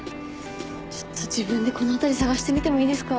ちょっと自分でこの辺り捜してみてもいいですか？